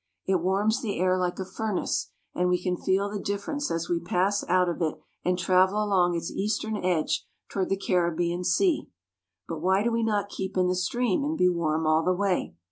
It warms the air like a furnace, and we can feel the difference as we pass out of it and travel along its eastern edge toward the Caribbean Sea. But why do we not keep in the stream and be warm all the way?